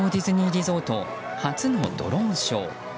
リゾート初のドローンショー。